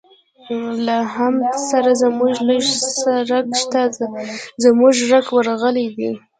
له حمد سره زموږ لږ څه رګ شته، زموږ رګ ورغلی دی.